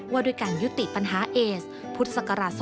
ว่าโดยการยุติปัญหาเอสพศ๒๕๖๐๒๕๗๓